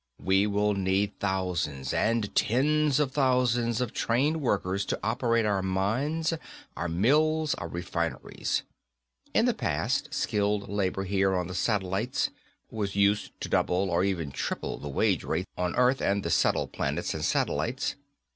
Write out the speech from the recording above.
_ _We will need thousands and tens of thousands of trained workers to operate our mines, our mills, our refineries. In the past, skilled labor here on the satellites was used to double or even triple the wage rates on Earth and the settled planets and satellites.